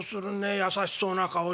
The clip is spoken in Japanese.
優しそうな顔して。